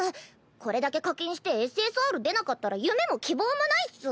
これだけ課金してＳＳＲ出なかったら夢も希望もないっス。